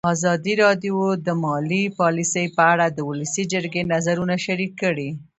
ازادي راډیو د مالي پالیسي په اړه د ولسي جرګې نظرونه شریک کړي.